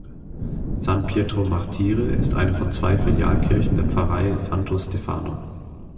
San Pietro Martire ist eine von zwei Filialkirchen der Pfarrei Santo Stefano.